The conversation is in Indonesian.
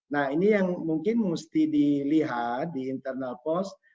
nah ini yang mungkin mesti dilihat di internal pos